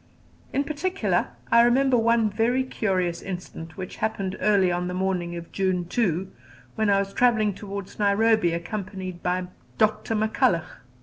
In particular, I remember one very curious incident which happened early on the morning of June 2, when I was travelling towards Nairobi, accompanied by Dr. McCulloch.